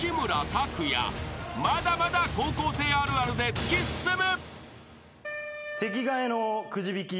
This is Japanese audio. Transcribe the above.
［まだまだ高校生あるあるで突き進む］